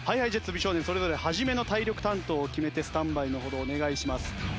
美少年それぞれ初めの体力担当を決めてスタンバイのほどお願いします。